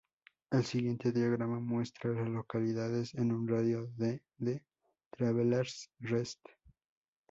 El siguiente diagrama muestra a las localidades en un radio de de Travelers Rest.